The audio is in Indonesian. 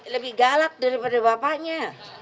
lebih galak daripada bapaknya